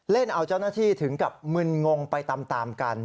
เล่นเอาเจ้าหน้าที่ถึงกับมึนงงไปตามกัน